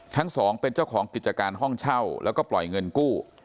ทั้งสองเป็นเจ้าของกิจการห้องเช่าแล้วก็ปล่อยเงินกู้